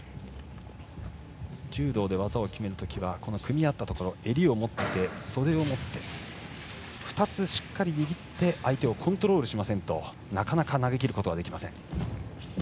柔道で技を決めるときは組み合ったところ襟を持って、袖を持って２つしっかり握って相手をコントロールしませんとなかなか投げきることができません。